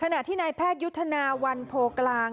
ขณะที่นายแพทยุทธนาวันโพกลาง